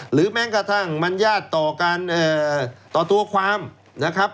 หรือแม้งกระทั่งมัญญาติต่อตัวความนะครับ